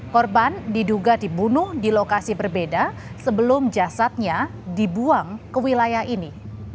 korban diduga dibunuh di lokasi berbeda sebelum jasadnya dibuang ke wilayah ini